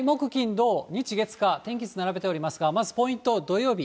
土、日月火、天気図並べておりますが、まず、ポイント、土曜日。